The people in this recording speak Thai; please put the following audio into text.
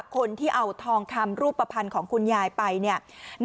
คนที่เอาทองคำรูปภัณฑ์ของคุณยายไปเนี่ย